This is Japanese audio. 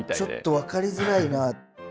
ちょっと分かりづらいな。